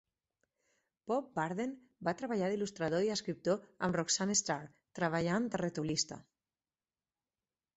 Bob Burden va treballar d'il·lustrador i escriptor amb Roxanne Starr treballant de retolista.